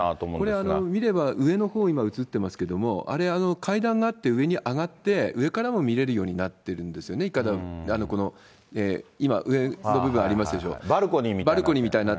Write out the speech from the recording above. これ、見れば上のほう、今、映ってますけれども、あれ、階段があって上に上がって、上からも見れるようになってるんですよね、今、バルコニーみたいな。